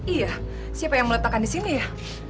iya siapa yang meletakkan di sini ya